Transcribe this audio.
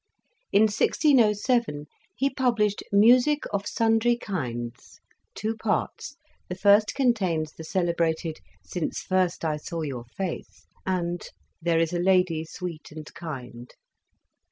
In 1607 he published " Musicke of Sundrie Kindes," two parts, the first contains the celebrated "Since first I saw your face," and "There is a lady sweet and kind."